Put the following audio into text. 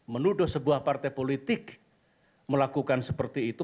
menuduh sebuah partai politik melakukan seperti itu